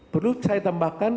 perlu saya tambahkan